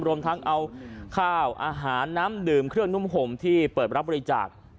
รวมทั้งเอาข้าวอาหารน้ำดื่มเครื่องนุ่มห่มที่เปิดรับบริจาค